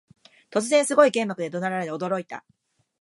突然、すごい剣幕で怒鳴られ驚いた